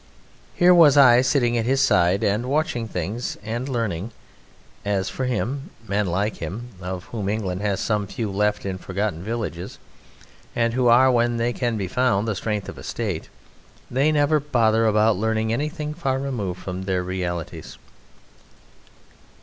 Here was I sitting at his side and watching things, and learning as for him, men like him, of whom England has some few left in forgotten villages, and who are, when they can be found, the strength of a State, they never bother about learning anything far removed from their realities.